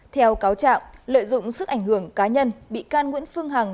theo cáo trạng lợi dụng sức ảnh hưởng cá nhân bị can nguyễn phương hằng